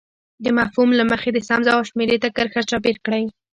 د مفهوم له مخې د سم ځواب شمیرې ته کرښه چاپېر کړئ.